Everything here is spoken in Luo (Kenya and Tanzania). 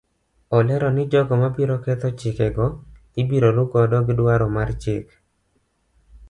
Olero ni jogo mabiro ketho chike go ibiro luu godo dwaro mar chik.